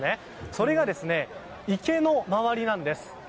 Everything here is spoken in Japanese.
それが、池の周りなんです。